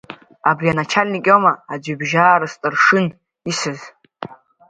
Абри аначальник иоума Аӡҩыбжьаа рысҭаршын исыз?